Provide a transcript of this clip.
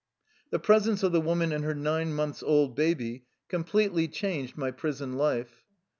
The presence of the woman and her nine months old baby completely changed my prison life.